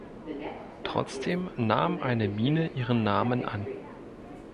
Trotzdem nahm eine Mine ihren Namen an.